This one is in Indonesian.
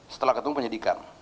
setelah ketemu penyidikan